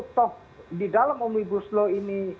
toh di dalam umbi buslo ini